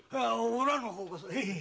おらの方こそ。